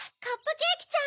カップケーキ？